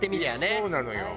そうなのよ。